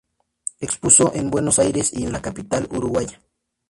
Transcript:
Expuso en Buenos Aires y en la capital uruguaya.